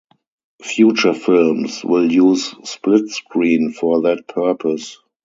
Future films will use split screen for that purpose.